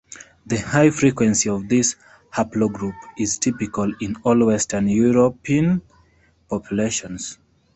The high frequency of this haplogroup is typical in all West European populations.